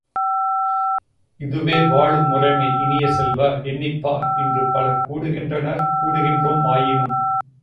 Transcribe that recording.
இதுவே வாழும் முறைமை, இனிய செல்வ, எண்ணிப்பார் இன்று பலர் கூடுகின்றனர் கூடுகின்றோம் ஆயினும்.